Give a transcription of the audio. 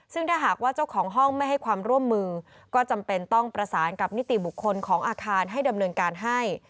ซึ่งถ้าหากว่าเจ้าของห้องไม่ให้ความร่วมมือก็จำเป็นต้องประสานกับนิติบุคคลของอาคารให้ดำเนินการให้